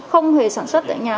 không hề sản xuất tại nhà